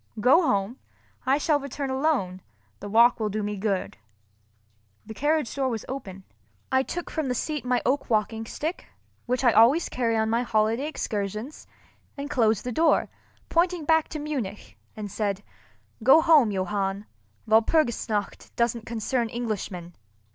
Go home, I shall return alone, the walk will do me good." The carriage door was open. I took from the seat my oak walking stick—which I always carry on my holiday excursions—and closed the door, pointing back to Munich, and said, "Go home, Johann—Walpurgis nacht doesn't concern Englishmen."